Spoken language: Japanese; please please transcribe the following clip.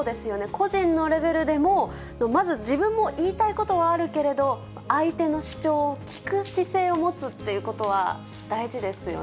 個人のレベルでも、まず自分も言いたいことはあるけれど、相手の主張を聞く姿勢を持つっていうことは大事ですよね。